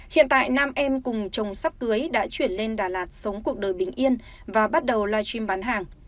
hiện tại nam em cùng chồng sắp cưới đã chuyển lên đà lạt sống cuộc đời bình yên và bắt đầu live stream bán hàng